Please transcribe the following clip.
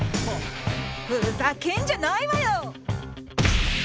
ふーざけんじゃないわよ！